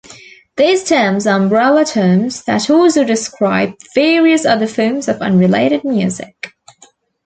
These terms are umbrella terms that also describe various other forms of unrelated music.